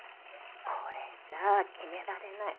これじゃあ決められない。